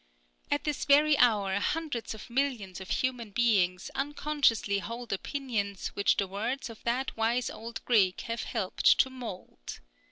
At this very hour hundreds of millions of human beings unconsciously hold opinions which the words of that wise old Greek have helped to mould.